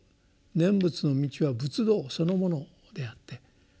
念仏の道は仏道そのものであって。